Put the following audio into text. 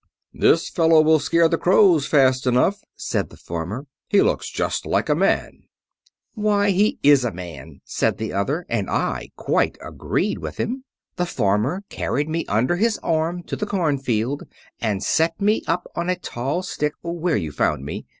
"'This fellow will scare the crows fast enough,' said the farmer. 'He looks just like a man.' "'Why, he is a man,' said the other, and I quite agreed with him. The farmer carried me under his arm to the cornfield, and set me up on a tall stick, where you found me.